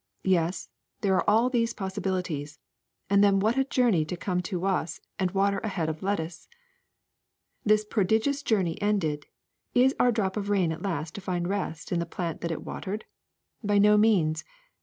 Yes, there are all these possibilities ; and then what a journey to come to us and water a head of lettuce ! This prodigious journey ended, in our drop of rain at last to find rest in the plant it has watered? By no means.